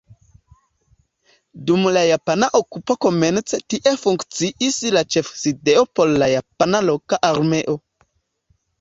Dum la japana okupo komence tie funkciis la ĉefsidejo por la japana loka armeo.